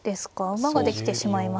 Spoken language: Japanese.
馬ができてしまいますよね。